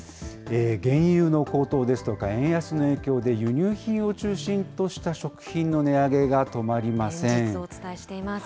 原油の高騰ですとか、円安の影響で輸入品を中心とした食品の値上連日お伝えしています。